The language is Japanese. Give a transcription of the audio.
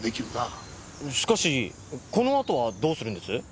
しかしこの後はどうするんです？